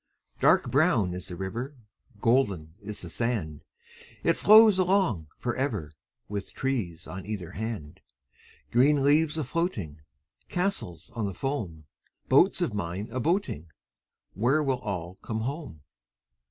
Dark brown is the river, Golden is the sand. It flows along for ever, With trees on either hand. Green leaves a floating, Castles of the foam, Boats of mine a boating— Where will all come home?